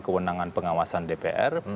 kewenangan pengawasan dpr